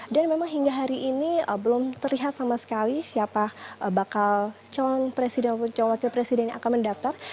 dan memang hingga hari ini belum terlihat sama sekali siapa bakal calon presiden atau calon wakil presiden yang akan mendaftar